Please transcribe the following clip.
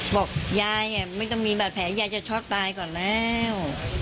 บอกยายไม่ต้องมีบาดแผลยายจะช็อกตายก่อนแล้ว